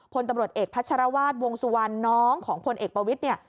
พลตำรวจเอกพัชรวาสวงสุวรรณน้องของพลเอกประวิทย์เนี่ย